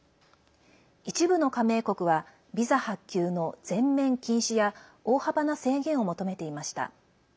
一部の加盟国はビザ発給の全面禁止や大幅な制限を求めていました。